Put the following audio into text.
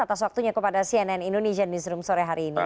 atas waktunya kepada cnn indonesian newsroom sore hari ini